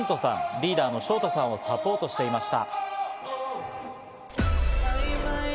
リーダーのショウタさんをサポートしていました。